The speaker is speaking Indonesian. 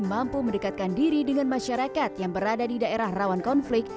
mampu mendekatkan diri dengan masyarakat yang berada di daerah rawan konflik